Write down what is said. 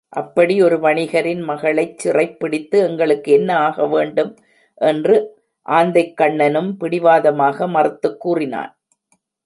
அப்படி ஒரு வணிகரின் மகளைச் சிறைப்பிடித்து எங்களுக்கு என்ன ஆகவேண்டும்? என்று ஆந்தைக்கண்ணனும் பிடிவாதமாக மறுத்துக் கூறினான்.